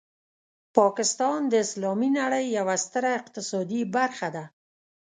پاکستان د اسلامي نړۍ یوه ستره اقتصادي برخه ده.